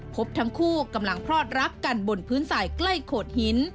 พบทั้งคู่กำลังพลอดรักกันบนพื้นสายใกล้โขดหิน